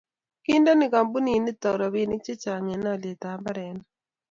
kiindene kampunit nito robinik chechang' eng' aletab mbarenik